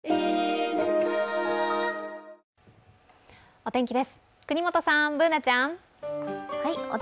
お天気です、國本さん、Ｂｏｏｎａちゃん。